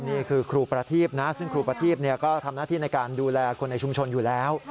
นี่คือครูประทีพนะซึ่งครูประทีพก็ทำหน้าที่ในการดูแลคนในชุมชนอยู่แล้ว